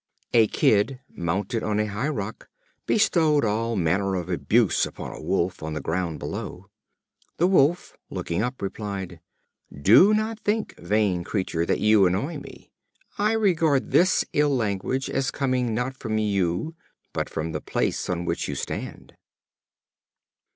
A Kid, mounted on a high rock, bestowed all manner of abuse upon a Wolf on the ground below. The Wolf, looking up, replied: "Do not think, vain creature, that you annoy me. I regard this ill language as coming not from you, but from the place on which you stand."